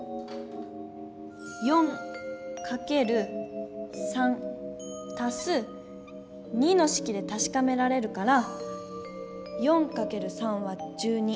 「４×３＋２」のしきでたしかめられるから４×３＝１２。